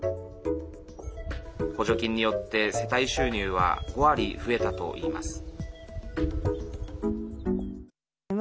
補助金によって世帯収入は５割増えたといいます。